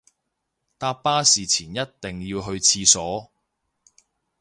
搭巴士前一定要去廁所